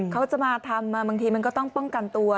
เขาจะมาทำมันก็ต้องป้องกันตัว